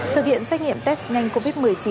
thực hiện xét nghiệm test nhanh covid một mươi chín